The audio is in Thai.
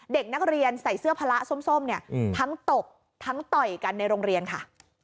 เด็กนักเรียนใส่เสื้อพละส้มเนี่ยทั้งตบทั้งต่อยกันในโรงเรียนค่ะ